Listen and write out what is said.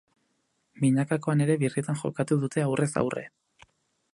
Binakakoan ere birritan jokatu dute aurrez aurre.